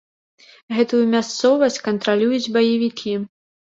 Гэтую мясцовасць кантралююць баевікі.